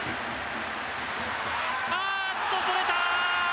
あーっと、それた！